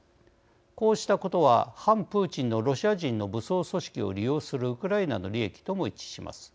こうしたことは反プーチンのロシア人の武装組織を利用するウクライナの利益とも一致します。